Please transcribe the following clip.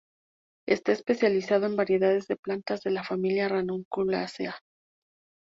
Está especializado en variedades de plantas de la familia Ranunculaceae.